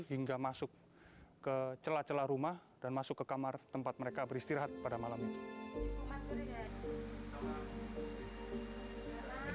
hingga masuk ke celah celah rumah dan masuk ke kamar tempat mereka beristirahat pada malam itu